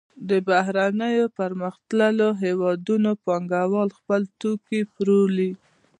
د بهرنیو پرمختللو هېوادونو پانګوال خپل توکي پلوري